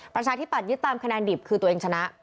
ประชาทิบัตรยึดตามแค่นั้นดิบคือตัวเองชนะ